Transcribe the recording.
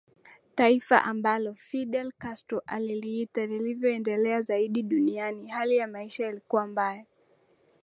Taifa ambalo Fidel Castro aliita lililoendelea zaidi duniani hali ya maisha ilikuwa mbaya